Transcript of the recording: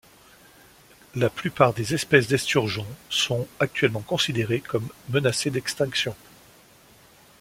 La plupart des espèces d'esturgeons sont actuellement considérées comme menacées d'extinction.